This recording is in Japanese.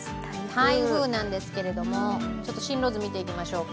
台風なんですけど進路図見ていきましょう。